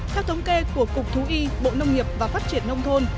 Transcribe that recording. theo thống kê của cục thú y bộ nông nghiệp và phát triển nông thôn